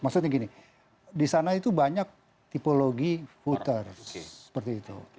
maksudnya gini di sana itu banyak tipologi voter seperti itu